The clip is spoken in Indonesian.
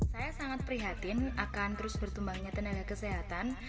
saya sangat prihatin akan terus berkembangnya tenaga kesehatan